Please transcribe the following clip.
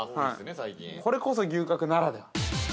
これこそ、牛角ならでは。